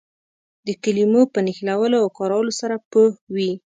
د کلمو په نښلولو او کارولو ښه پوه وي.